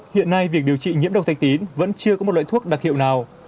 hiện nay việc điều trị nhiễm độc thạch tín vẫn chưa có một loại thuốc đặc hiệu nào